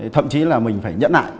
thậm chí là mình phải nhẫn lại